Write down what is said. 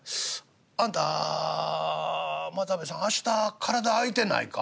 あんた又兵衛さん明日体空いてないか？」。